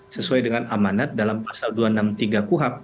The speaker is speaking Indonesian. sesuai dengan amanat dalam pasal dua ratus enam puluh tiga kuhap